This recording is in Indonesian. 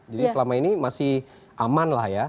selama ini masih aman lah ya